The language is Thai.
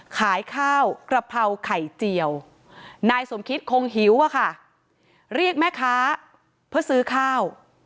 ขายข้าวกระเพราไข่เจียวนายสมคิดคงหิวอะค่ะเรียกแม่ค้าเพื่อซื้อข้าว